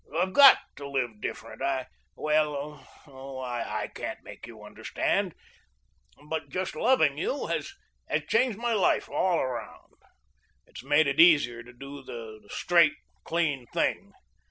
I've GOT to live different. I well oh, I can't make you understand, but just loving you has changed my life all around. It's made it easier to do the straight, clean thing.